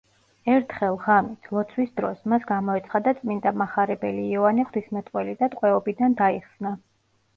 ერთხელ, ღამით, ლოცვის დროს, მას გამოეცხადა წმინდა მახარებელი იოანე ღვთისმეტყველი და ტყვეობიდან დაიხსნა.